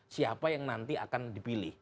siapa yang nanti akan dipilih